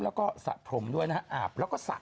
แล้วก็สะผมด้วยนะฮะอาบแล้วก็สระ